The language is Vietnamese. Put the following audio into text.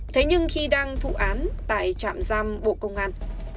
thế nhưng khi đang thụ án tại trạm giam bộ công an